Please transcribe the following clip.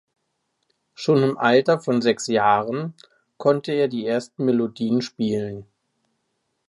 Schon im Alter von sechs Jahren konnte er die ersten Melodien spielen.